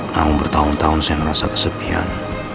namun bertahun tahun saya merasa kesepian